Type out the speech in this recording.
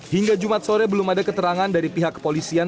hingga jumat sore belum ada keterangan dari pihak kepolisian